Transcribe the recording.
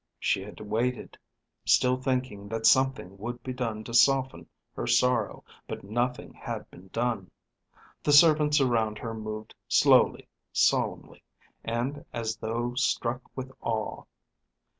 She had waited, still thinking that something would be done to soften her sorrow; but nothing had been done. The servants around her moved slowly, solemnly, and as though struck with awe.